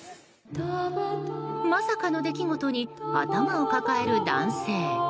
まさかの出来事に頭を抱える男性。